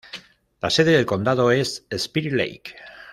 La sede del condado es Spirit Lake.